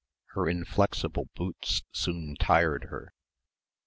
Her inflexible boots soon tired her....